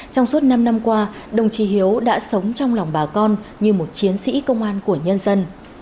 trong suốt năm năm qua đồng chí hiếu đã sống trong lòng bà con như một chiến sĩ công an của nhân dân